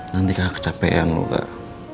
nanti kak kecapean loh kak